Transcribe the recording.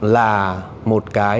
là một cái